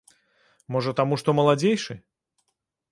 Можа, таму што маладзейшы.